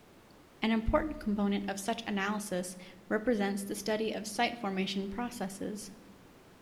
An important component of such analyses represents the study of site formation processes.